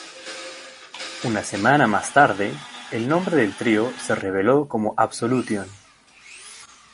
Una semana más tarde, el nombre del trío se reveló como Absolution.